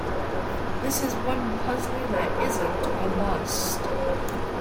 This is one puzzler that isn't a bust.